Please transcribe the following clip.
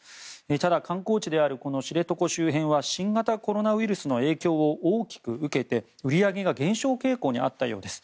ただ、観光地である知床周辺は新型コロナウイルスの影響を大きく受けて、売り上げが減少傾向にあったようです。